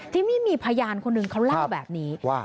ที่นี่มีพยานคนหนึ่งเขาเล่าแบบนี้ว่า